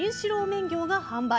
麺業が販売。